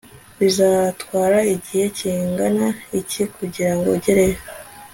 bizatwara igihe kingana iki kugirango ugereyo